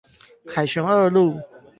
凱旋二路